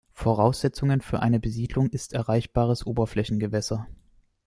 Voraussetzungen für eine Besiedelung ist erreichbares Oberflächengewässer.